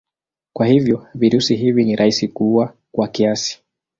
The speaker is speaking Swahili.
Kwa hivyo virusi hivi ni rahisi kuua kwa kiasi.